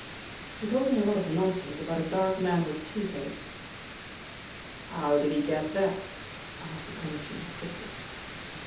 "He told me a lot of nonsense about a dark man with toothache." "How did he get that?" asked the Commissioner quickly.